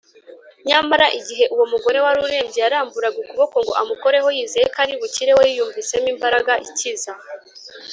nyamara igihe uwo mugore wari urembye yaramburaga ukuboko ngo amukoreho yizeye ko ari bukire, we yiyumvisemo imbaraga ikiza